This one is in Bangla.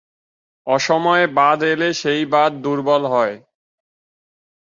অসময়ে বাঁধ হলে সেই বাঁধ দুর্বল হয়।